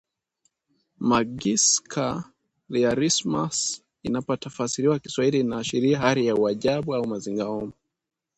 Magischer Realismus inapotafsiriwa Kiswahili inaashiria hali ya uajabu au mazingaombwe